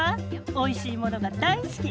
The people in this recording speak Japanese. おいしい物が大好き！